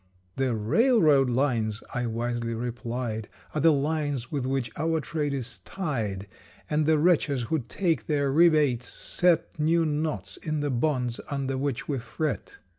"The railroad lines," I wisely replied "Are the lines with which our trade is tied, And the wretches who take their rebates set New knots in the bonds under which we fret."